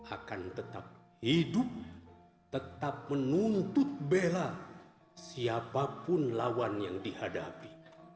akan tetap hidup tetap menuntut bela siapapun lawan yang dihadapi